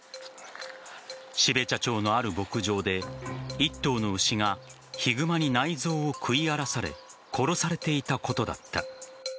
標茶町のある牧場で１頭の牛がヒグマに内蔵を食い荒らされ殺されていたことだった。